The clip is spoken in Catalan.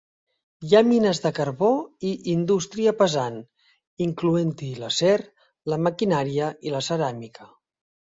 Hi ha mines de carbó i indústria pesant, incloent-hi l'acer, la maquinària i la ceràmica.